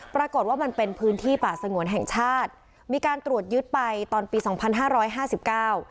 ปรากฏว่ามันเป็นพื้นที่ป่าสงวนแห่งชาติมีการตรวจยึดไปตอนปีสองพันห้าร้อยห้าสิบเก้า